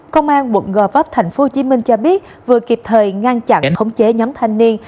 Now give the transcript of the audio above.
công an quận gò vấp tp hcm cho biết vừa kịp thời ngăn chặn khống chế nhóm thanh niên